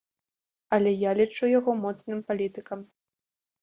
Але я лічу яго моцным палітыкам.